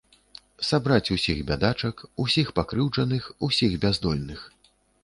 Сабраць усіх бядачак, усіх пакрыўджаных, усіх бяздольных.